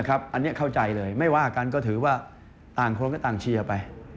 อันนี้เข้าใจเลยไม่ว่ากันก็ถือว่าต่างคนก็ต่างเชียร์ไป